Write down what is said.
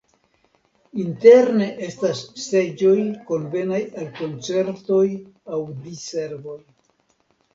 Interne estas seĝoj konvenaj al koncertoj aŭ diservoj.